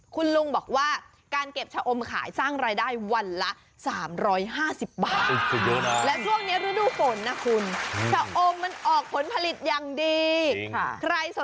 คุณลุงบอกว่าการเก็บชะอมขายสร้างรายได้วันละ๓๕๐บาท